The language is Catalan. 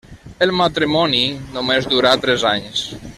El matrimoni només durà tres anys.